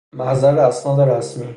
محضر اسناد رسمی